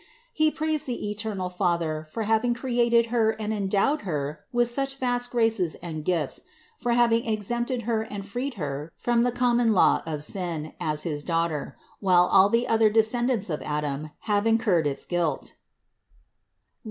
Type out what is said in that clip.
He praised the eternal Father for having created Her and endowed Her with such vast graces and gifts; for having exempted Her and freed Her from the common law of sin, as his Daughter, while all the other descen dants of Adam have incurred its guilt (Rom.